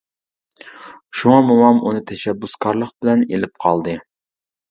شۇڭا مومام ئۇنى تەشەببۇسكارلىق بىلەن ئېلىپ قالدى.